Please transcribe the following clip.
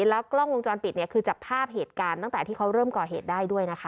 แล้วกล้องวงจรปิดเนี่ยคือจับภาพเหตุการณ์ตั้งแต่ที่เขาเริ่มก่อเหตุได้ด้วยนะคะ